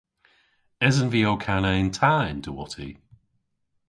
Esen vy ow kana yn ta y'n diwotti?